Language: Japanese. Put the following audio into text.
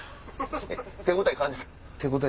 手応え感じた？